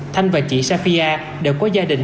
thanh và chị safia đều có gia đình